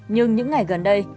nhưng những ngày gần đây